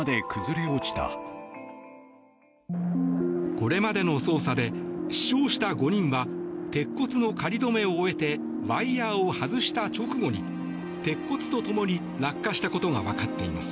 これまでの捜査で死傷した５人は鉄骨の仮止めを終えてワイヤを外した直後に鉄骨とともに落下したことがわかっています。